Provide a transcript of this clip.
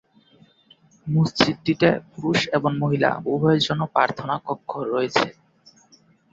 মসজিদটিতে পুরুষ এবং মহিলা উভয়ের জন্য প্রার্থনা কক্ষ রয়েছে।